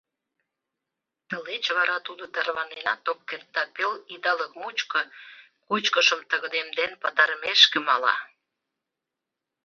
Тылеч вара тудо тарваненат ок керт да пел идалык мучко, кочкышым тыгыдемден пытарымешке, мала».